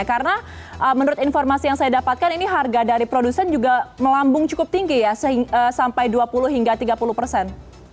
karena menurut informasi yang saya dapatkan ini harga dari produsen juga melambung cukup tinggi ya sampai dua puluh hingga tiga puluh persen